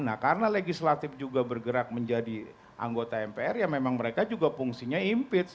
nah karena legislatif juga bergerak menjadi anggota mpr ya memang mereka juga fungsinya impeach